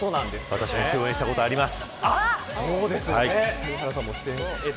私も共演したことあります。